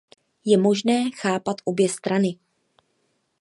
Je možné chápat obě strany.